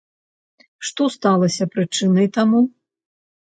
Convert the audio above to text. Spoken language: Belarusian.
Што сталася прычынай таму?